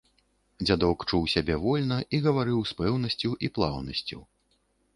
Дзядок чуў сябе вольна і гаварыў з пэўнасцю і плаўнасцю.